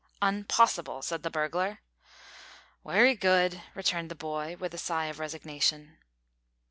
"Unpossible," said the burglar. "Wery good," returned the boy, with a sigh of resignation.